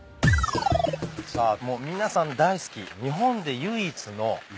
さあもう皆さん大好き。